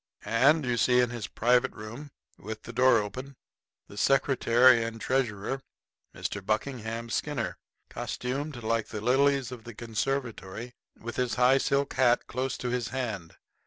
And you see in his private room, with the door open, the secretary and treasurer, Mr. Buckingham Skinner, costumed like the lilies of the conservatory, with his high silk hat close to his hand.